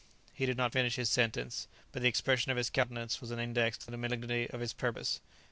He did not finish his sentence, but the expression of his countenance was an index to the malignity of his purpose.